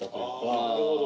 なるほど。